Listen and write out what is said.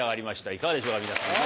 いかがでしょうか皆さん。